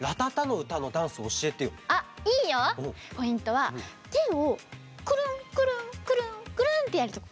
はてをクルンクルンクルンクルンってやるとこ。